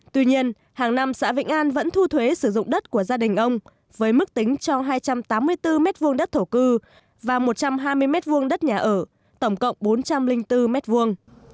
tuy nhiên hàng năm xã vĩnh an vẫn thu thuế sử dụng đất của gia đình ông với mức tính cho hai trăm tám mươi bốn mét vuông đất thổ cư và một trăm hai mươi m hai đất nhà ở tổng cộng bốn trăm linh bốn m hai